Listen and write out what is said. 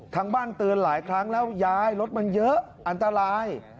ทางบ้านเตือนหลายครั้งแล้วยายรถมันเยอะอันตราย